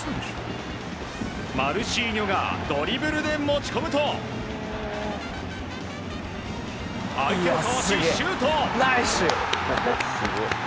マルシーニョがドリブルで持ち込むと相手をかわし、シュート！